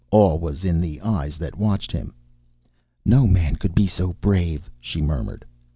Awe was in the eyes that watched him. "No man could be so brave," she murmured.